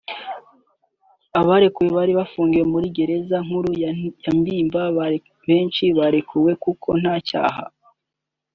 Abarekuwe bari bafungiwe muri gereza nkuru ya Mpimba benshi barekuwe kuko nta cyaha